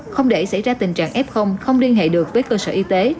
không để xảy ra tình trạng f không liên hệ được với cơ sở y tế